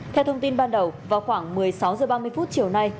theo thông tin ban đầu vào khoảng một mươi sáu h ba mươi chiều nay